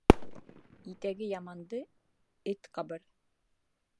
Итәге яманды эт ҡабыр.